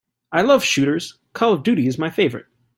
I love shooters, Call of Duty is my favorite.